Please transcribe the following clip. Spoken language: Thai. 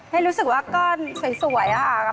ให้รู้สึกว่าก้อนสวยค่ะ